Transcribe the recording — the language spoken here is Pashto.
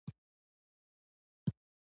پښتون یو تمدن جوړونکی قوم دی.